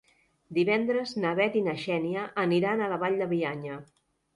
Divendres na Bet i na Xènia aniran a la Vall de Bianya.